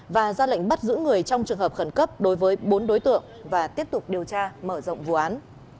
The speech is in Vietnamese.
và ra lệnh bắt giữ người trong trường hợp khẩn cấp đối với bốn đối tượng và tiếp tục điều tra mở rộng vụ án